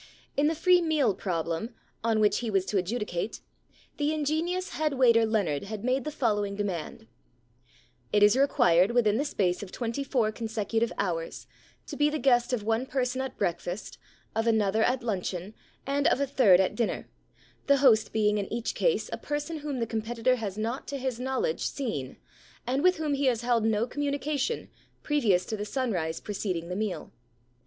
In the Free Meal Problem, on which he was to adjudicate, the ingenious head waiter Leonard had made the following demand :—* It is required within the space of twenty four consecutive hours to be the guest of one person at breakfast, of another at luncheon, and of a third at dinner, the host being in each case a person whom the competitor has not to his knowledge seen, and with whom he has held no communication, previous to P.C 45 D The Problem Club the sunrise preceding the meal.